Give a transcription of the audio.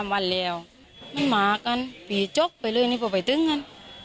มึงมีมากกันพี่ยี่จกไปเลยนี่ป่ะไปตึงกัน